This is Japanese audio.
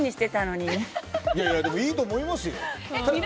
でも、いいと思いますよ。